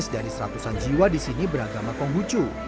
dua belas dari seratusan jiwa di sini beragama konggucu